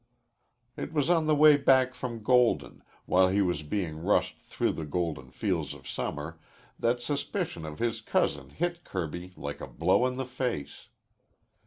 It was on the way back from Golden, while he was being rushed through the golden fields of summer, that suspicion of his cousin hit Kirby like a blow in the face.